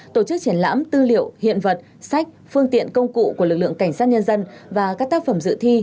tổ chức triển lãm tư liệu hiện vật sách phương tiện công cụ của lực lượng cảnh sát nhân dân và các tác phẩm dự thi